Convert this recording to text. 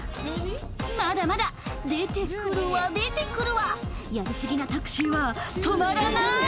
まだまだ出てくるわ出てくるわやりすぎなタクシーは止まらなーい！